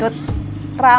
maksudnya si raus ramai